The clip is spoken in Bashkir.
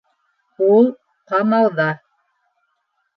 Ул — ҡамауҙа!